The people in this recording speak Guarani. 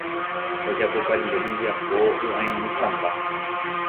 ojapopa rire hembiapo hy'airo'ysãmba